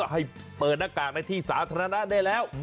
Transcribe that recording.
ให้เปิดหน้ากากในที่สาธารณะได้แล้ว